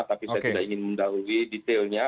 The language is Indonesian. tapi saya tidak ingin mendahului detailnya